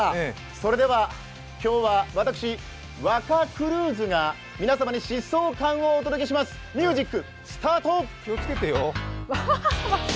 それでは今日は私、若クルーズが皆様に疾走感をお伝えします、ミュージックスタート！